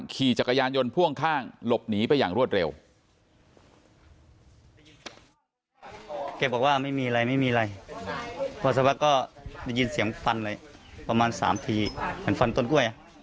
ขี่จักรยานยนต์พ่วงข้างหลบหนีไปอย่างรวดเร็ว